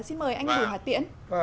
xin mời anh đường hà tiễn